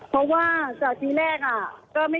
เพราะว่าจากที่แรก